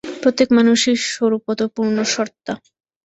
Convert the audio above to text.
প্রত্যেক মানুষই স্বরূপত পূর্ণ সত্তা।